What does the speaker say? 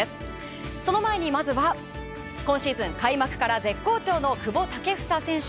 その前にまずは今シーズン開幕から絶好調の久保建英選手。